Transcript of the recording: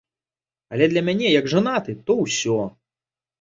Але для мяне як жанаты, то ўсё.